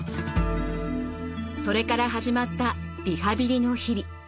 それから始まったリハビリの日々。